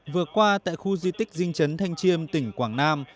vừa qua tại khu di tích dinh chấn thanh chiêm tỉnh quảng nam